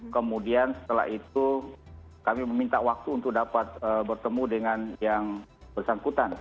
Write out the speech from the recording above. kemudian setelah itu kami meminta waktu untuk dapat bertemu dengan yang bersangkutan